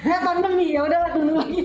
eh pandemi yaudahlah dulu lagi